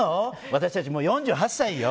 私たち、もう４８歳よ。